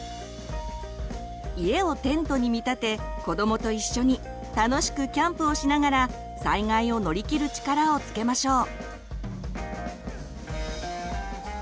家をテントに見立て子どもと一緒に楽しくキャンプをしながら災害を乗り切る力をつけましょう。